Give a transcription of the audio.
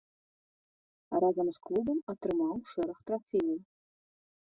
Разам з клубам атрымаў шэраг трафеяў.